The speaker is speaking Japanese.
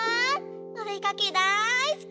おでかけだいすき！